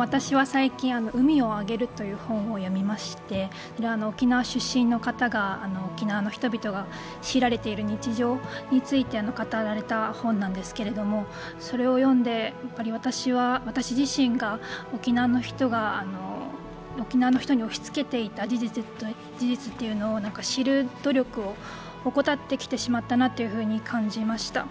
私は最近、「海をあげる」という本を読みまして沖縄出身の方が、沖縄の人々が強いられている日常について語られた本なんですけれども、それを読んで、私は私自身が沖縄の人に押しつけていた事実というのを知る努力を怠ってきてしまったと感じました。